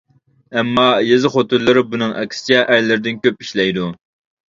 ئەمما، يېزا خوتۇنلىرى بۇنىڭ ئەكسىچە، ئەرلىرىدىن كۆپ ئىشلەيدۇ.